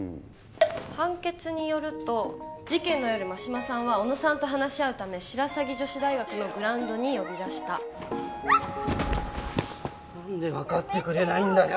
判決によると事件の夜真島さんは小野さんと話し合うため白鷺女子大学のグラウンドに呼び出した何で分かってくれないんだよ